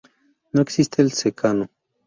No existe el secano.